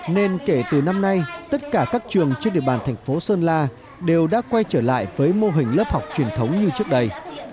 nên kể từ năm nay tất cả các trường trên địa bàn thành phố sơn la đều đã quay trở lại với mô hình lớp học truyền thống như trước đây